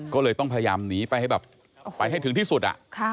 ก็เลยต้องพยายามหนีไปให้ถึงที่สุด